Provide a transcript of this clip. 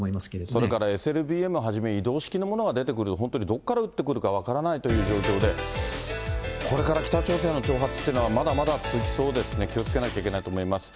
それからＳＬＢＭはじめ、移動式のものが出てくる、本当にどっから撃ってくるか分からないという状況で、これから北朝鮮の挑発っていうのは、まだまだ続きそうですね、気をつけなきゃいけないと思います。